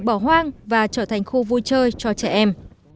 bỏ hoang và trở thành khu vui chơi cho trẻ em